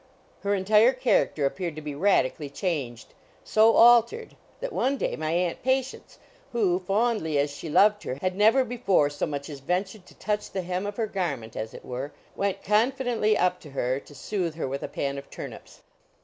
Her entire character appeared to be radically changed so altered that one day my Aunt Patience, who, fondly as she loved her, had never before so much as ventured to touch the hem of her garment, as it were, went confidently up to her to soothe her with a pan of turnips.